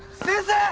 先生！